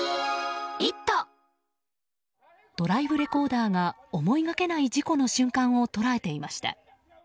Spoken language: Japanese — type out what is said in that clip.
ドライブレコーダーが思いがけない事故の瞬間を捉えていました。